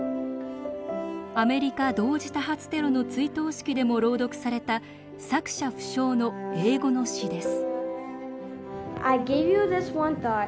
アメリカ同時多発テロの追悼式でも朗読された作者不詳の英語の詩です。